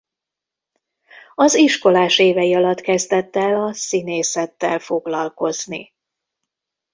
Az iskolás évei alatt kezdett el a színészettel foglalkozni.